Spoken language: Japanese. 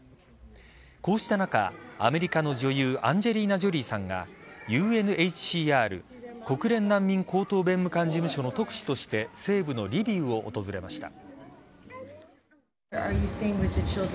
こうした中、アメリカの女優アンジェリーナ・ジョリーさんがＵＮＨＣＲ＝国連難民高等弁務官事務所の特使として西部のリビウを訪れました。